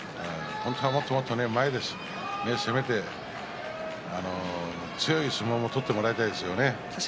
もっともっと前で攻めて強い相撲を取ってもらいたいですよね。